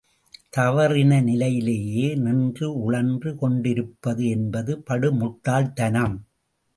தவறின நிலையிலேயே நின்று உழன்று கொண்டிருப்பது என்பது படு முட்டாள் தனம்.